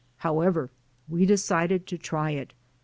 However, we decided to try it.